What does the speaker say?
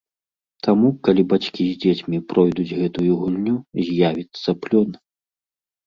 Таму, калі бацькі з дзецьмі пройдуць гэтую гульню, з'явіцца плён.